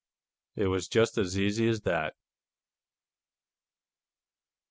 It was just as easy as that.